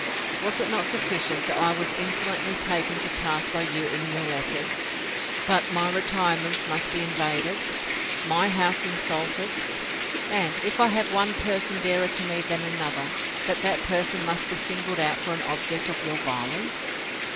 —Was it not sufficient, that I was insolently taken to task by you in your letters, but my retirements must be invaded? My house insulted? And, if I have one person dearer to me than another, that that person must be singled out for an object of your violence?